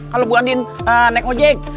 kalau buandien naik ojek